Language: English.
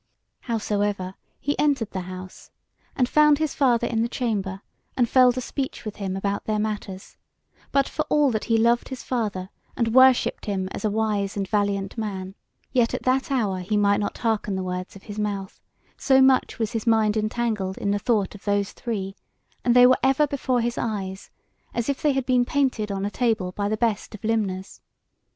Howsoever, he entered the house, and found his father in the chamber, and fell to speech with him about their matters; but for all that he loved his father, and worshipped him as a wise and valiant man, yet at that hour he might not hearken the words of his mouth, so much was his mind entangled in the thought of those three, and they were ever before his eyes, as if they had been painted on a table by the best of limners.